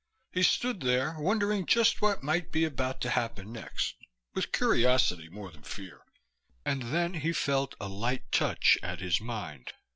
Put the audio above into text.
He stood there, wondering just what might be about to happen next with curiosity more than fear and then he felt a light touch at his mind.